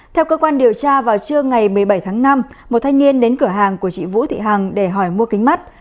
theo cơ quan điều tra vào trưa ngày một mươi bảy tháng năm một thanh niên đến cửa hàng của chị vũ thị hằng để hỏi mua kính mắt